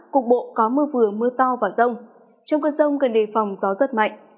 cục bộ có mưa vừa mưa to và rông trong cơn rông cần đề phòng gió rất mạnh